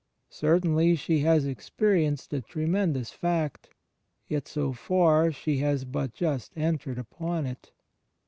Certainly she has experienced a tremendous fact, yet so far she has but just entered upon it.